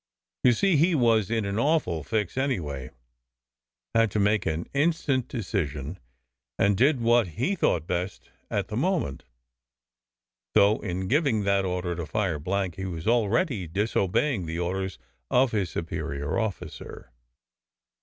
You see he was in an awful fix anyway, had to make an instant decision, and did what he thought best at the moment, though in giving that order to fire blank he was already disobeying the orders of his superior officer.